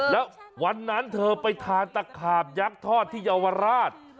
แล้ววันนั้นเธอไปทานตะขาบยักษ์ทอดที่เยาวราช